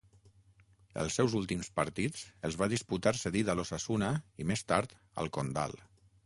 Els seus últims partits els va disputar cedit a l'Osasuna i més tard al Condal.